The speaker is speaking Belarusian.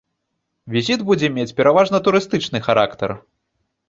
Візіт будзе мець пераважна турыстычны характар.